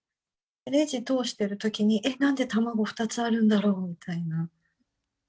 レジ通しているときに、えっ、なんで卵２つあるんだろう？みたいな。